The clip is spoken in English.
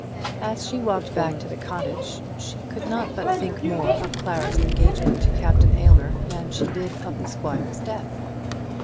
As she walked back to the cottage she could not but think more of Clara's engagement to Captain Aylmer than she did of the squire's death.